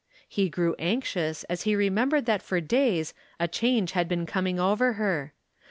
He grew anx ious as he remembered that for days a change had been coming over her.